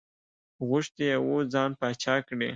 غوښتي یې وو ځان پاچا کړي.